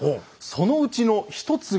そのうちの一つが。